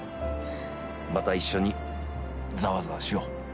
また一緒にざわざわしよう。